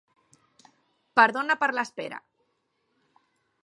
Perdona per l'espera.